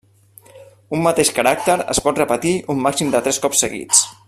Un mateix caràcter es pot repetir un màxim de tres cops seguits.